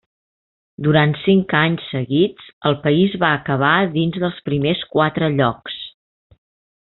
Durant cinc anys seguits el país va acabar dins dels primers quatre llocs.